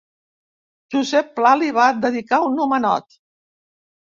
Josep Pla li va dedicar un homenot.